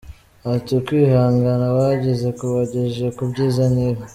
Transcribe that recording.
Ati ”Ukwihangana bagize kubagejeje ku byiza nk’ibi.